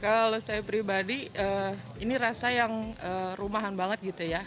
kalau saya pribadi ini rasa yang rumahan banget gitu ya